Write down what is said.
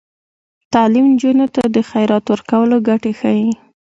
تعلیم نجونو ته د خیرات ورکولو ګټې ښيي.